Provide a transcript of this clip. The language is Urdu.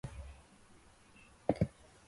چلیں کچھ نہ کچھ کرنیں کی کیںشش کرتیں ہیں وہاں